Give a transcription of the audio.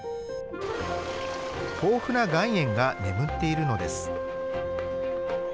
豊富な岩塩が眠っているのです。